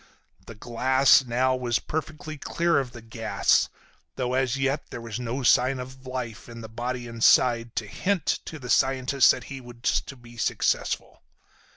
The glass now was perfectly clear of the gas, though as yet there was no sign of life in the body inside to hint to the scientist that he was to be successful.